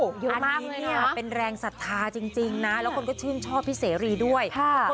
วันนี้เนี่ยเป็นแรงศรัทธาจริงนะแล้วคนก็ชื่นชอบพี่เสรีด้วย